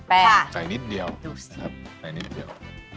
แป้งใช้นิดเดียวดูสิครับใส่นิดเดียว